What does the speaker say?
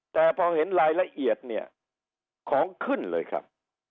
แต่พอเห็นรายละเอียดเนี่ยของขึ้นเลยครับ